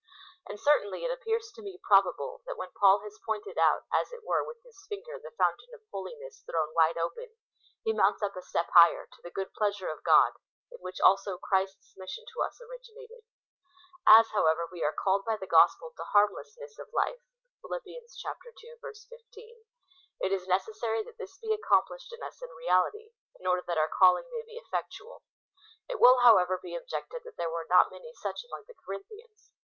And certainly it appears to me probable, that, when Paul has pointed out as it were with his finger the fountain of holiness thrown wide open, he mounts up a step higher, to the good pleasure, of God, in which also Christ's mission to us originated, / '^s, however, we are called by the gospel to harmlessness of life (Phil. ii. 15,) it is necessary that this be accomplished in us in reality, in order that our calling may be effectual. It will, however, be objected, that there were not many such among the Corinthians.